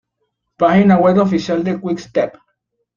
Página web oficial de Quick Step